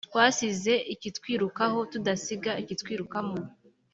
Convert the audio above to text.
twasize ikitwirukaho tudasiga ikitwirukamo"